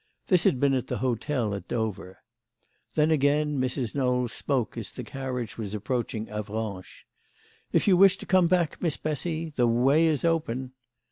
This had been at the hotel at Dover. Then again Mrs. Knowl spoke as the carriage was approaching Avranches : "If you wish to come back, Miss Bessy, the way is open."